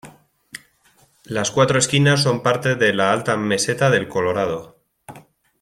Las Cuatro Esquinas son parte de la alta Meseta del Colorado.